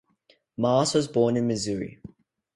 Maas was born in Missouri.